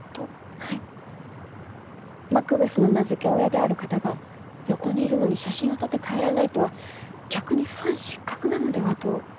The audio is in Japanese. はいマクベスの名付け親である方が横にいるのに写真を撮って帰らないとは逆にファン失格なのではと。